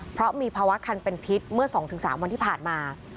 เพราะมีภาวะคันเป็นพิษเมื่อ๒๓วันที่ผ่านมา